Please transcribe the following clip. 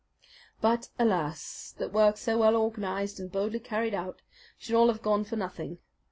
But alas that work so well organized and boldly carried out should all have gone for nothing!